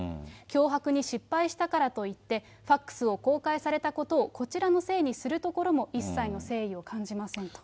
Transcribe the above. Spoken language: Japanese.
脅迫に失敗したからといって、ファックスを公開されたことをこちらのせいにするところも一切の誠意を感じませんと。